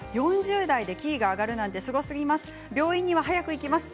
４０代でキーが上がるなんてすごすぎます。